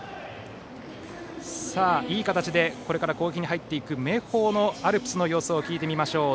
いい形でこれから攻撃に入っていく明豊のアルプスの様子を聞いてみましょう。